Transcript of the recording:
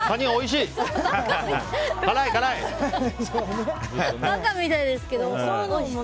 バカみたいでしたけど。